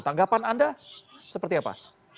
tanggapan anda seperti apa